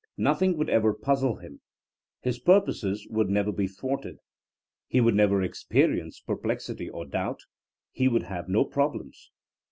Noth ing would ever puzzle him, his purposes would never be thwarted, he would never experience perplexity or doubt, he would have no problems.